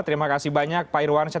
terima kasih banyak pak irwan syed